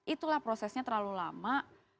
itulah prosesnya terlalu lama